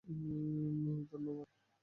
মিমি, ধন্যবাদ।